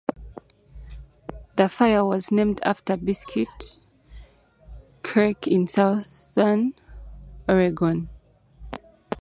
The fire was named after Biscuit Creek in southern Oregon.